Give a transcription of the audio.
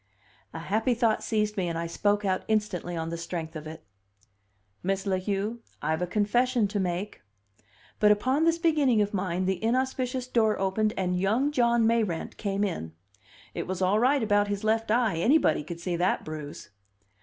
A happy thought seized me, and I spoke out instantly on the strength of it. "Miss La Heu, I've a confession to make." But upon this beginning of mine the inauspicious door opened and young John Mayrant came in. It was all right about his left eye; anybody could see that bruise!